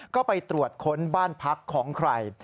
ก็ไปตรวจค้นบ้านพักของใคร